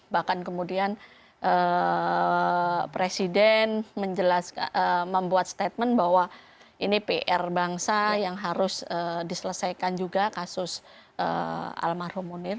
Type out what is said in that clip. bahkan kemudian presiden membuat statement bahwa ini pr bangsa yang harus diselesaikan juga kasus almarhum munir